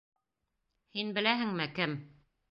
Һин беләһеңме, кем?